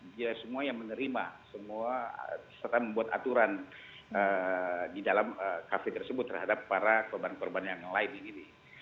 dia semua yang menerima semua serta membuat aturan di dalam kafe tersebut terhadap para korban korban yang lain ini